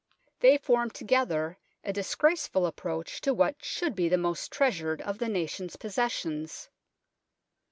They form together a disgraceful approach to what should be the most treasured of the nation's possessions.